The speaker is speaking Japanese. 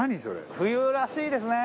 冬らしいですね。